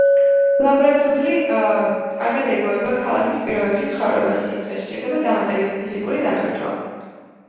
ლაბრადუდლი კარგად ეგუება ქალაქის პირობებში ცხოვრებას, სიცხეს, სჭირდება დამატებითი ფიზიკური დატვირთვა.